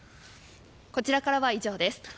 こちらからは以上です。